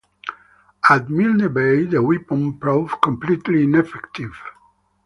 At Milne Bay, the weapon proved completely ineffective.